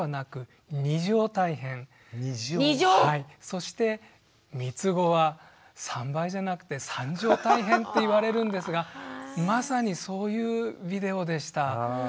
そしてみつごは３倍じゃなくて３乗大変って言われるんですがまさにそういうビデオでした。